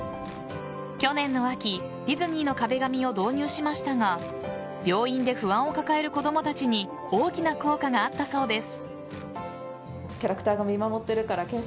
去年の秋、ディズニーの壁紙を導入しましたが病院で不安を抱える子供たちに大きな効果があったそうです。